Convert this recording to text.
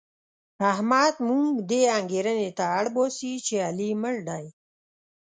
احمد موږ دې انګېرنې ته اړباسي چې علي مړ دی.